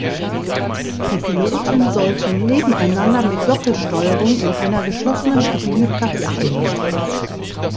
Die Piloten sollten nebeneinander mit Doppelsteuerung in einer geschlossenen Kabine Platz finden.